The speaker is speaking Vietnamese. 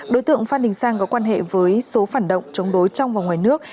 đối tượng phan đình sang có quan hệ với số phản động chống đối trong và ngoài nước